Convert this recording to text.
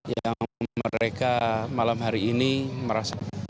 yang mereka malam hari ini merasa